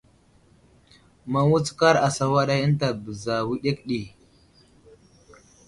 Maŋ wutskar asawaday ənta bəza wəɗek ɗi.